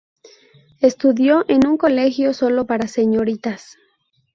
Estudió en un colegio solo para señoritas.